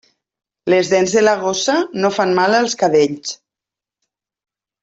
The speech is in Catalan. Les dents de la gossa no fan mal als cadells.